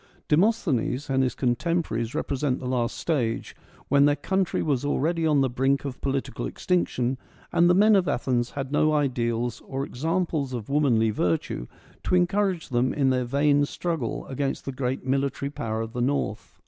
Demosthenes and his contempor aries represent the last stage, when their country was already on the brink of political extinction, and the men of Athens had no ideals or examples of THE ATTIC ORATORS 201 womanly virtue to encourage them in their vain struggle against the great military power of the North.